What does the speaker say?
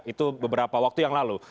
itu beberapa waktu yang lalu